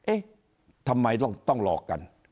เอ๊ะทำไมต้องหลอกกัน